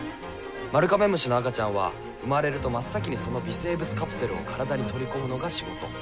マルカメムシの赤ちゃんは産まれると真っ先にその微生物カプセルを体に取り込むのが仕事。